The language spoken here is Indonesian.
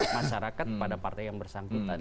masyarakat pada partai yang bersangkutan